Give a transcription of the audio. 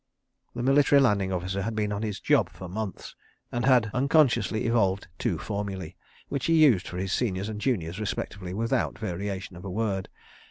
The Military Landing Officer had been on his job for months and had unconsciously evolved two formulæ, which he used for his seniors and juniors respectively, without variation of a word.